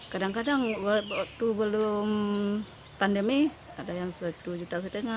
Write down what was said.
kadang kadang waktu belum pandemi ada yang satu lima juta